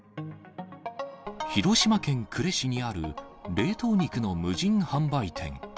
広島県呉市にある、冷凍肉の無人販売店。